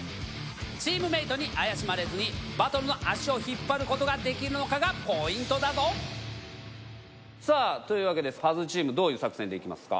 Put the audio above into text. チームメートに怪しまれずにバトルの足を引っ張ることができるのかがポイントだぞさあというわけでパズチームどういう作戦でいきますか？